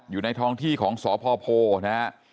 อยู่ในท้องที่ของสพโพนะฮะ